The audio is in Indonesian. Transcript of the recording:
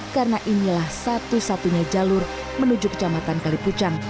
karena inilah satu satunya jalur menuju kecamatan kalipucan